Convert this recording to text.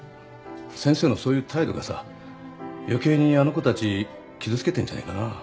先生のそういう態度がさ余計にあの子たち傷つけてんじゃねえかな。